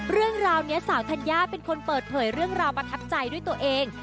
เรื่องราวนี้สาวธัญญาเป็นคนเปิดเผยเรื่องราวประทับใจด้วยตัวเอง